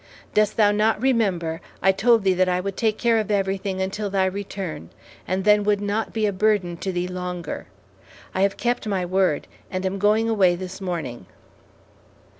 Dost thou not remember, I told thee that I would take care of everything until thy return, and then would not be a burden to thee longer? I have kept my word, and am going away this morning."